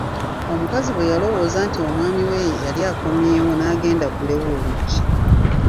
Omukazi bwe yalowooza nti omwami we y'ali akomyewo n'agenda aggulewo oluggi.